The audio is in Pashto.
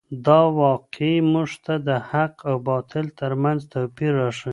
دا واقعه موږ ته د حق او باطل تر منځ توپیر راښیي.